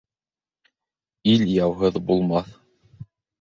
Ил яуһыҙ булмаҫ.